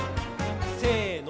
せの。